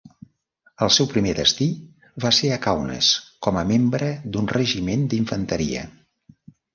El seu primer destí va ser a Kaunas, com a membre d'un regiment d'infanteria.